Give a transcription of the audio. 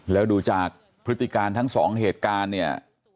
แล้วดูจากพฤติการทั้งสองเหตุการณ์เนี่ย